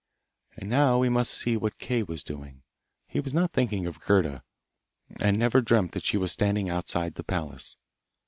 And now we must see what Kay was doing. He was not thinking of Gerda, and never dreamt that she was standing outside the palace.